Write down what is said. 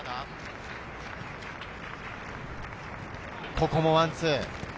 ここもワンツー。